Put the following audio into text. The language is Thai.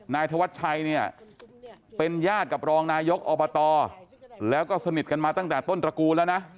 นายธวัชชัยเนี่ยเป็นญาติกับรองนายกอบตแล้วก็สนิทกันมาตั้งแต่ต้นตระกูลแล้วนะ